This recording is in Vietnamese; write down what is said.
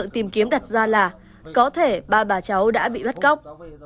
tìm kiếm đặt ra là có thể ba bà cháu đã bị bắt cóc